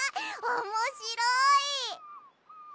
おもしろい！